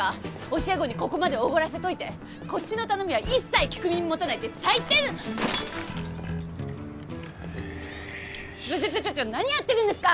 教え子にここまでおごらせといてこっちの頼みは一切聞く耳持たないって最低ちょっとちょっと何やってるんですか